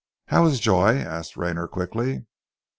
"How is Joy?" asked Rayner quickly.